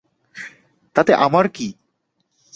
তাতে আমার কি!